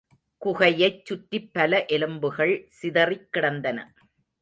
குகையைச் சுற்றிப் பல எலும்புகள் சிதறிக் கிடந்தன.